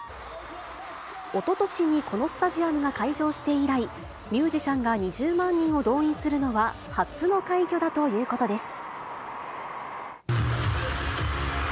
おととしにこのスタジアムが開場して以来、ミュージシャンが２０万人を動員するのは、初の快挙だということです。